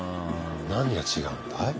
何が違うんだい？